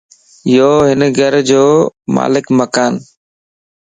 يو ھن گھر جو مالڪ مڪان